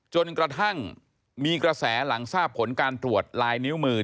จนกระทั่งมีกระแสหลังทราบผลการตรวจลายนิ้วมือ